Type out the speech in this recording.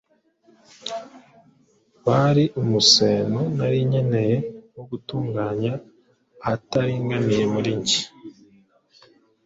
Bari umuseno nari nkeneye wo gutunganya ahataringaniye muri jye.